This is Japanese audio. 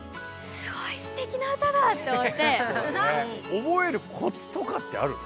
おぼえるコツとかってあるの？